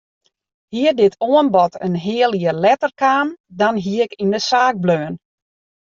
Hie dit oanbod in healjier letter kaam dan hie ik yn de saak bleaun.